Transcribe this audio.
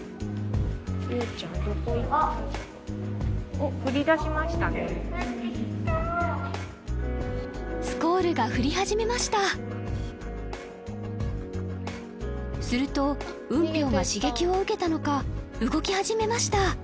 おっスコールが降り始めましたするとウンピョウが刺激を受けたのか動き始めました